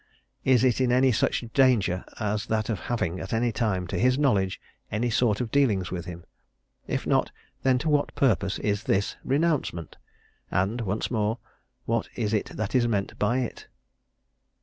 Is it in any such danger as that of having, at any time, to his knowledge, any sort of dealings with him? If not, then to what purpose is this renouncement? and, once more, what is it that is meant by it?"